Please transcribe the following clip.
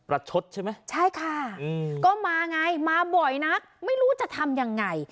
ชดใช่ไหมใช่ค่ะก็มาไงมาบ่อยนักไม่รู้จะทำยังไง